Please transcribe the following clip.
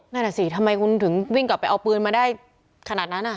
นั่นน่ะสิทำไมคุณถึงวิ่งกลับไปเอาปืนมาได้ขนาดนั้น